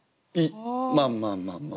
まあまあまあまあ。